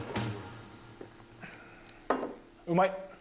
うまい。